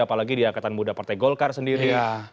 apalagi di angkatan muda partai golkar sendiri